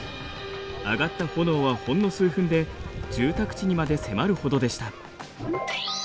上がった炎はほんの数分で住宅地にまで迫るほどでした。